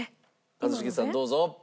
一茂さんどうぞ。